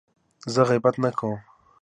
زه غیبت نه کوم.